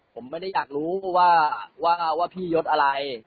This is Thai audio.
ผมไม่ได้อยากรู้ว่าว่าพี่ยดอะไร